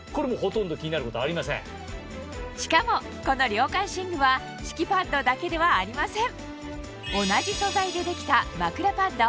しかもこの涼感寝具は敷きパッドだけではありません